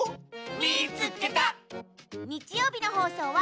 「みいつけた！」。